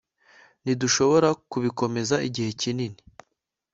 ntidushobora kubikomeza igihe kinini